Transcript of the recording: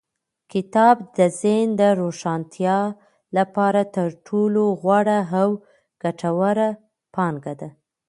کتاب د ذهن د روښانتیا لپاره تر ټولو غوره او ګټوره پانګه ده.